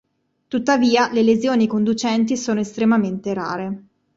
Tuttavia, le lesioni ai conducenti sono estremamente rare.